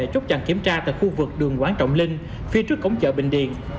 chốt chặn kiểm tra tại khu vực đường quảng trọng linh phía trước cổng chợ bình điền